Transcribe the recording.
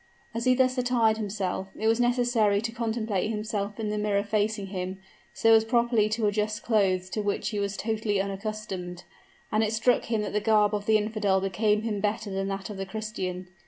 As he thus attired himself, it was necessary to contemplate himself in the mirror facing him, so as properly to adjust clothes to which he was totally unaccustomed; and it struck him that the garb of the infidel became him better than that of the Christian.